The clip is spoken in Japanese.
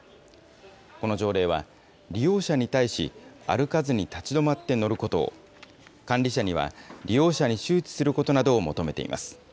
この条例は、利用者に対し、歩かずに立ち止まって乗ることを、管理者には利用者に周知することなどを求めています。